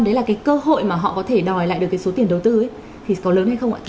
đấy là cái cơ hội mà họ có thể đòi lại được cái số tiền đầu tư ấy thì có lớn hay không ạ